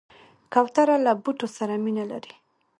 کوتره له بوټو سره مینه لري.